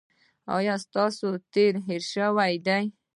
ایا ستاسو تیره هیره شوې ده؟